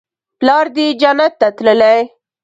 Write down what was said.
پلار دې جنت ته تللى.